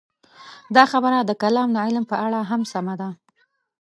دا خبره د کلام د علم په اړه هم سمه ده.